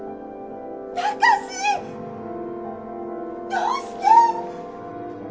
どうして！